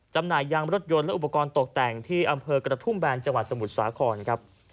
หน่ายยางรถยนต์และอุปกรณ์ตกแต่งที่อำเภอกระทุ่มแบนจังหวัดสมุทรสาครครับ